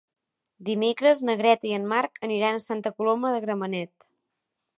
Dimecres na Greta i en Marc aniran a Santa Coloma de Gramenet.